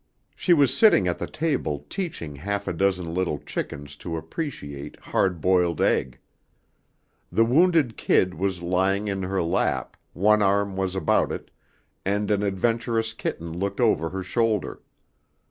She was sitting at the table teaching half a dozen little chickens to appreciate hard boiled egg. The wounded kid was lying in her lap, one arm was about it, and an adventurous kitten looked over her shoulder.